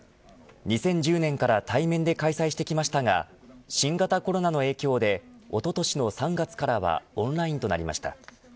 ２０１０年から対面で開催してきましたが新型コロナの影響でおととしの３月からはオンラインとなりました。